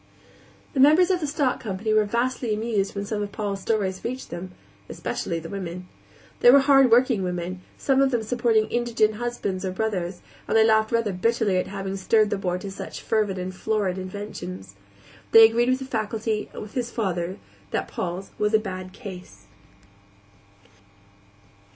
The members of the stock company were vastly amused when some of Paul's stories reached them especially the women. They were hardworking women, most of them supporting indigent husbands or brothers, and they laughed rather bitterly at having stirred the boy to such fervid and florid inventions. They agreed with the faculty and with his father that Paul's was a bad case.